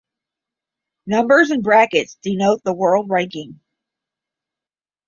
Numbers in brackets denote the World ranking.